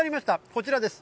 こちらです。